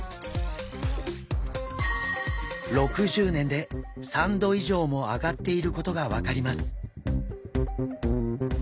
６０年で３℃以上も上がっていることが分かります。